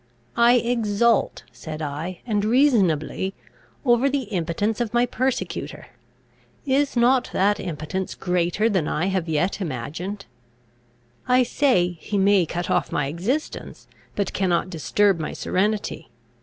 "I exult," said I, "and reasonably, over the impotence of my persecutor. Is not that impotence greater than I have yet imagined? I say, he may cut off my existence, but cannot disturb my serenity.